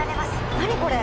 何これ？